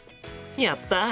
やった！